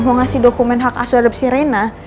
mau ngasih dokumen hak asuradep si rina